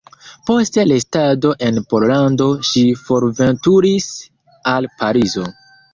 Post restado en Pollando ŝi forveturis al Parizo.